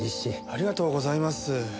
ありがとうございます。